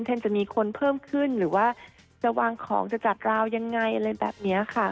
จะมีคนเพิ่มขึ้นหรือว่าจะวางของจะจัดราวยังไงอะไรแบบนี้ค่ะ